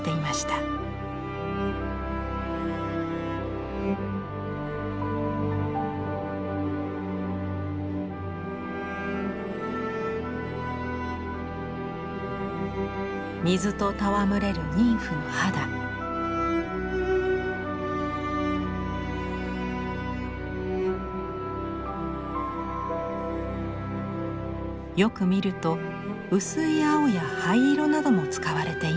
よく見ると薄い青や灰色なども使われています。